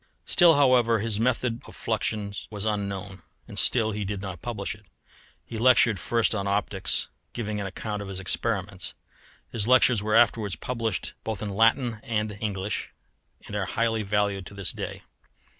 Still, however, his method of fluxions was unknown, and still he did not publish it. He lectured first on optics, giving an account of his experiments. His lectures were afterwards published both in Latin and English, and are highly valued to this day.